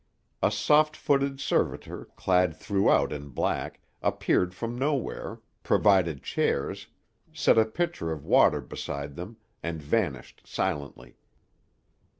A soft footed servitor, clad throughout in black, appeared from nowhere, provided chairs, set a pitcher of water beside them, and vanished silently.